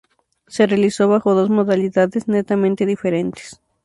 Se realizó bajo dos modalidades netamente diferentes.